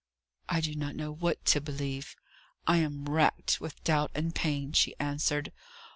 "I do not know what to believe; I am racked with doubt and pain," she answered.